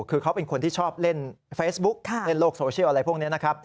คือเขาเป็นคนที่ชอบเล่นเฟซบุ๊กเล่นโลกโซเชียลอะไรพวกนี้นะครับ